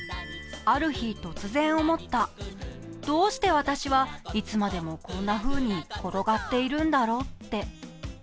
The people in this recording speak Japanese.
ある日突然思った、どうして私はいつまでもこんなふうに転がっているんだろうって。